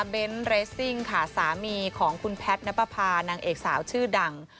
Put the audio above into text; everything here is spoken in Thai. เรสซิ่งค่ะสามีของคุณแพทย์นับประพานางเอกสาวชื่อดัง